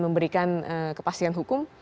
memberikan kepastian hukum